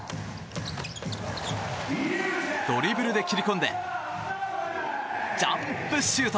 ドリブルで切り込んでジャンプシュート！